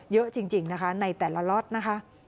เยอะจริงนะคะในแต่ละล็อตนะคะ